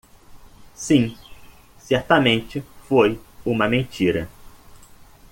Sim; Certamente foi uma mentira.